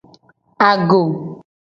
Ago.